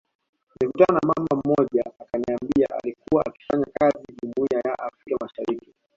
Nilikutana na mama mmoja akaniambia alikua akifanya kazi jumuiya ya afrika mashariki